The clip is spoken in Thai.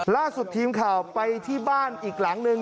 ล่าสุดทีมข่าวไปที่บ้านอีกหลังหนึ่ง